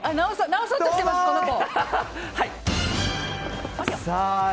直そうとしてます、この子。